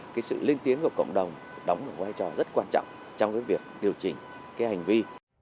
cái sự lên tiếng của cộng đồng đóng một vai trò rất quan trọng trong cái việc điều chỉnh cái hành vi